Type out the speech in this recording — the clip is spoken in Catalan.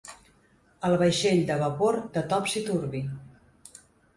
El vaixell de vapor de Topsy-turvy.